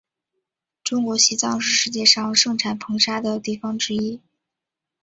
中国西藏是世界上盛产硼砂的地方之一。